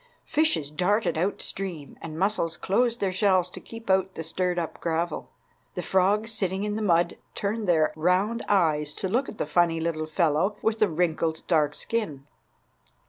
Fishes darted out stream, and mussels closed their shells to keep out the stirred up gravel. The frogs sitting in the mud turned their round eyes to look at the funny little fellow with the wrinkled dark skin.